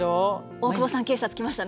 大久保さん警察来ましたね。